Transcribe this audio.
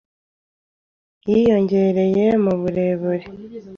Yiyongera mu burebure